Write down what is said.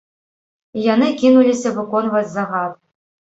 І яны кінуліся выконваць загад.